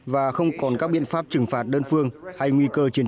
và không còn các biện pháp trừng phạt đơn phương